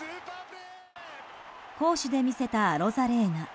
好守で魅せたアロザレーナ。